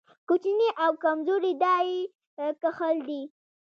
کوچني او کمزوري دا يې کښل کېږي.